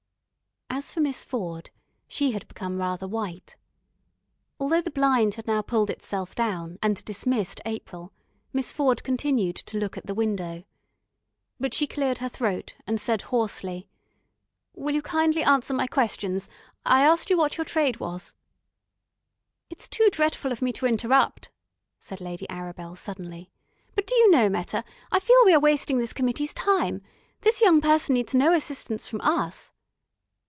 As for Miss Ford, she had become rather white. Although the blind had now pulled itself down, and dismissed April, Miss Ford continued to look at the window. But she cleared her throat and said hoarsely: "Will you kindly answer my questions? I asked you what your trade was." "It's too dretful of me to interrupt," said Lady Arabel suddenly. "But, do you know, Meta, I feel we are wasting this committee's time. This young person needs no assistance from us."